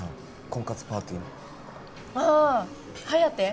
婚活パーティーのああ颯？